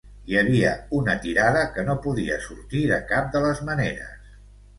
Hi havia una tirada que no podia sortir de cap de les maneres.